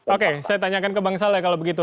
oke saya tanyakan ke bang saleh kalau begitu